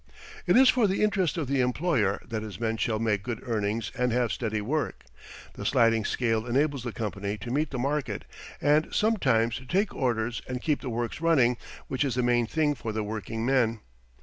It is for the interest of the employer that his men shall make good earnings and have steady work. The sliding scale enables the company to meet the market; and sometimes to take orders and keep the works running, which is the main thing for the working men.